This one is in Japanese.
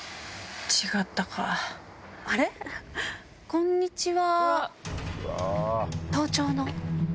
こんにちは。